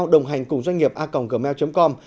đồng hành cùng doanh nghiệp a gmail com